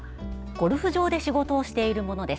ゴルフ場で仕事をしている者です。